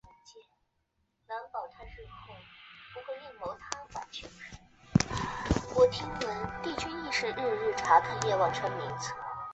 张瓘是太原监军使张承业的侄子。